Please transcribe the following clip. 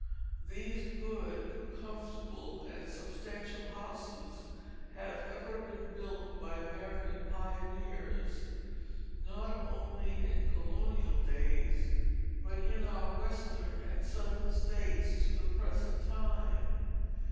These good, comfortable, and substantial houses have ever been built by American pioneers, not only in colonial days, but in our Western and Southern states to the present time.